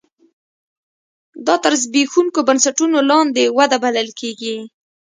دا تر زبېښونکو بنسټونو لاندې وده بلل کېږي.